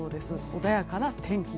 穏やかな天気。